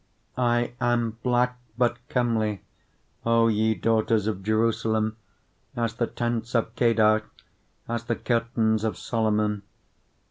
1:5 I am black, but comely, O ye daughters of Jerusalem, as the tents of Kedar, as the curtains of Solomon.